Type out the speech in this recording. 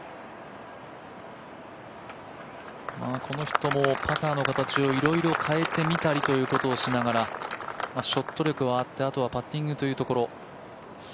この人もパターの形をいろいろ変えてみたりとしながらショット力はあってあとはパッティングというところ。